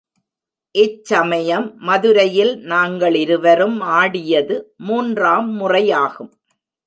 இச் சமயம் மதுரையில் நாங்களிருவரும் ஆடியது மூன்றாம் முறையாகும்.